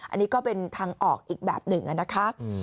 อันนี้ก็เป็นทางออกอีกแบบหนึ่งนะคะ